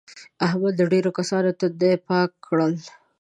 احمد د ډېرو کسانو تندي پاک کړل.